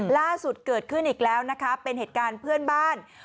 ล่าสุดเกิดขึ้นอีกแล้วนะคะเป็นเหตุการณ์เพื่อนบ้าน